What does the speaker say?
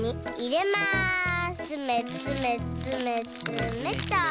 つめつめつめつめっと。